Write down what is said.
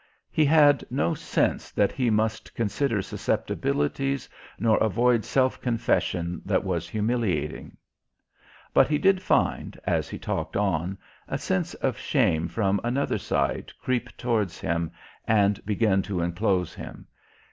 He had no sense that he must consider susceptibilities nor avoid self confession that was humiliating. But he did find, as he talked on, a sense of shame from another side creep towards him and begin to enclose him.